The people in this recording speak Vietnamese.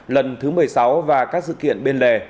lần thứ một mươi sáu và các sự kiện bên lề